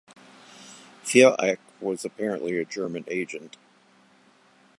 Viereck was apparently a German agent.